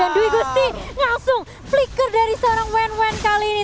dewi gusti ngasung flicker dari serang wen wen kali ini